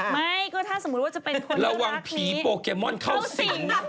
ไม่ก็ถ้าสมมุติว่าจะเป็นคนระวังผีโปเกมอนเข้าสิง